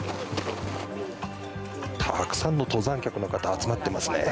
たくさんの登山客の方が集まっています。